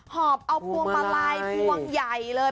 หอบเอาพวงมาลัยพวงใหญ่เลย